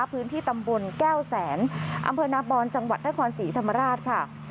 พื้นที่ตำบลแก้วแสนอำเภอนาบอนจังหวัดนครศรีธรรมราชค่ะ